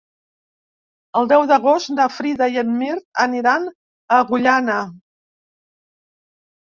El deu d'agost na Frida i en Mirt aniran a Agullana.